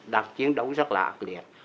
đang chiến đấu rất là ác liệt